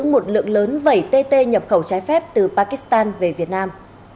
một lượng lớn vẩy tt nhập khẩu trái phép từ pakistan về việt nam